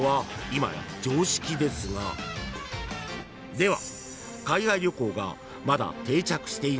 ［では］